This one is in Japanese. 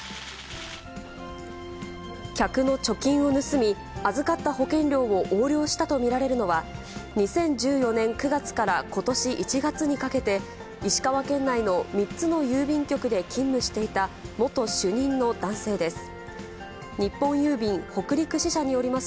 客の貯金を盗み、預かった保険料を横領したと見られるのは、２０１４年９月からことし１月にかけて、石川県内の３つの郵便局で勤務していた元主任の男性です。